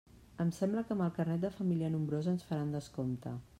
Em sembla que amb el carnet de família nombrosa ens faran descompte.